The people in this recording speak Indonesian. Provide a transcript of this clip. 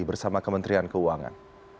bersama kementerian keuangan